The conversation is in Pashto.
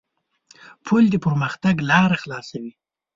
پُل د پرمختګ لاره خلاصوي.